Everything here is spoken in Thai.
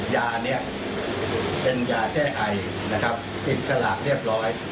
ยาเป็นยาแจ้ไข้ปิดสลักเรียบร้อย